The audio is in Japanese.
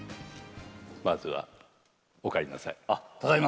まずはお帰りなさい。